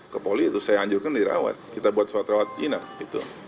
ke poli terus saya anjurkan dirawat kita buat suatu rawat ginap gitu